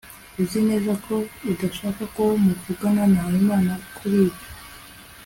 uzi neza ko udashaka ko mvugana na habimana kuri ibyo